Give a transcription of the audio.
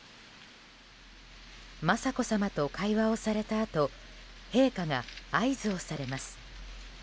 雅子さまが会話をされたあと陛下が合図をされます。